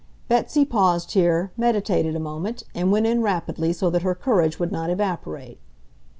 Betsy paused here, meditated a moment, and went in rapidly so that her courage would not evaporate.